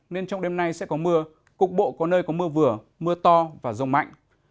nên trong đêm nay sẽ có mưa cục bộ có nơi có mưa vừa mưa to và rông mạnh